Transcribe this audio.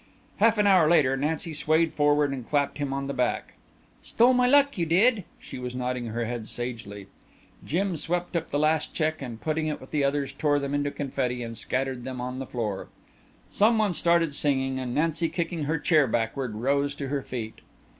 Half an hour later Nancy swayed forward and clapped him on the back. "Stole my luck, you did." She was nodding her head sagely. Jim swept up the last check and putting it with the others tore them into confetti and scattered them on the floor. Someone started singing and Nancy kicking her chair backward rose to her feet.